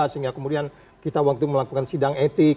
sehingga kemudian kita waktu melakukan sidang etik